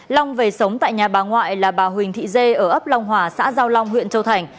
long về sống tại nhà bà ngoại là bà huỳnh thị dê ở ấp long hòa xã giao long huyện châu thành